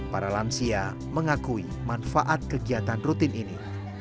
para lansia mengakui manfaat kegiatan rutin ini